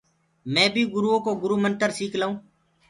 مي بي گُرو ڪو گُرو منتر سيک لنٚوٚ۔